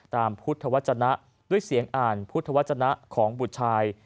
พุทธวจนะด้วยเสียงอ่านพุทธวจนะของบุตรชาย